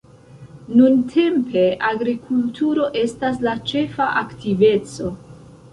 Nuntempe agrikulturo estas la ĉefa aktiveco.